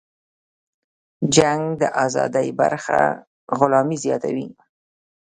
جنگ د ازادۍ پرځای غلامي زیاتوي.